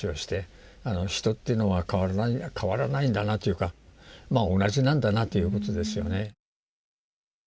人っていうのは変わらないんだなというか同じなんだなということですよね。